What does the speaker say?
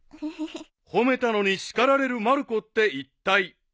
［褒めたのに叱られるまる子っていったい］